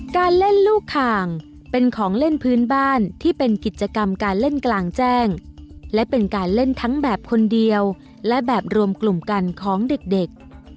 การเล่นลูกคางเป็นของเล่นพื้นบ้านที่เป็นกิจกรรมการเล่นกลางแจ้งและเป็นการเล่นทั้งแบบคนเดียวและแบบรวมกลุ่มกันของเด็ก